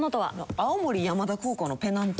青森山田高校のペナント。